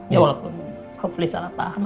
ya walaupun copli salah paham